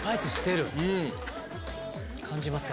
感じますか？